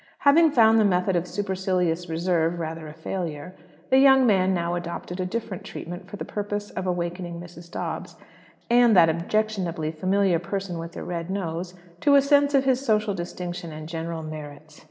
Having found the method of supercilious reserve rather a failure, the young man now adopted a different treatment for the purpose of awaking Mrs. Dobbs, and that objectionably familiar person with the red nose, to a sense of his social distinction and general merits.